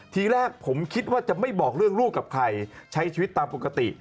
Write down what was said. ทีแรกผมคิดว่าจะไม่บอกเรื่องลูกกับใครใช้ชีวิตตามปกติ